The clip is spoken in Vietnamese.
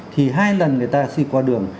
thì hai lần người ta xuyên qua đường